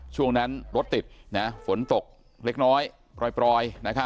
ช่วงนั้นรถติดฝนตกเล็กน้อยปล่อย